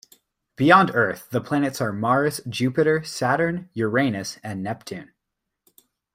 Beyond Earth, the planets are Mars, Jupiter, Saturn, Uranus and Neptune.